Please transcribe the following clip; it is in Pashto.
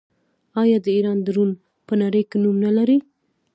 آیا د ایران ډرون په نړۍ کې نوم نلري؟